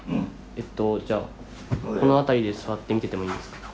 えっとじゃあこの辺りで座って見ててもいいですか？